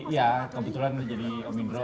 ya kebetulan jadi om indra